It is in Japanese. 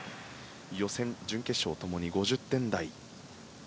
予選、準決勝共に５０点台。